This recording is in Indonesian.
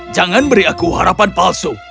jangan beri aku harapan palsu